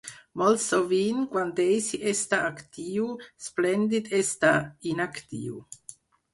Molt sovint, quan Daisy està actiu, Splendid està inactiu.